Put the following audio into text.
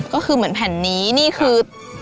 ก็คือเหมือนแผ่นนี้นี่คือ